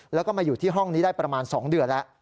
แล้วก็มาอยู่ที่ห้องนี้ได้ประมาณ๒เดือนแล้ว